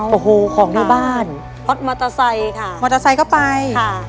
โอ้โหของในบ้านมัตตาไซค่ะมัตตาไซก็ไปค่ะ